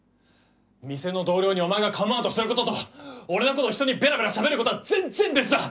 店の同僚にお前がカムアウトすることと俺のことを人にベラベラしゃべることは全然別だ！